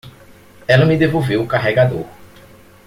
Ela me devolveu o carregador.